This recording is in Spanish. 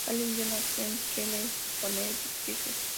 Palillo nació en Cheshire, Connecticut.